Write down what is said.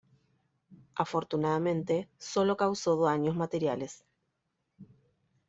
Afortunadamente, solo causó daños materiales.